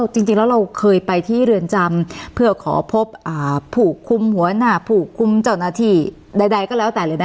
จริงแล้วเราเคยไปที่เรือนจำเพื่อขอพบผู้คุมหัวหน้าผู้คุมเจ้าหน้าที่ใดก็แล้วแต่เลยนะ